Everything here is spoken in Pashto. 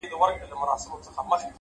ریښتینی ارزښت په کردار کې وي’